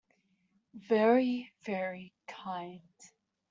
Very, very kind.